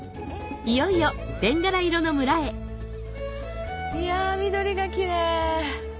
いよいよベンガラ色の村へいや緑がキレイ。